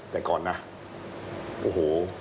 แต่ก่อนนะโอ้โห